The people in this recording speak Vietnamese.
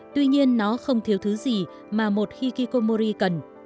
tuy nhiên nó không thiếu thứ gì mà một hikikomori cần